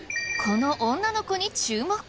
この女の子に注目。